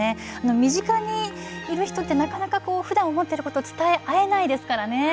身近にいる人ってなかなかふだん思っていることを伝え合えないですからね。